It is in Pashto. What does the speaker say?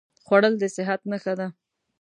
خوړل د صحت نښه ده